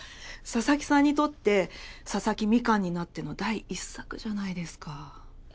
佐々木さんにとってささき蜜柑になっての第１作じゃないですか。